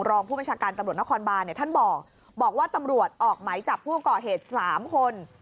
รองผู้บัญชาการตำรวจนครบานเนี่ยท่านบอกว่าตำรวจออกไหมจับผู้ก่อเหตุ๓คน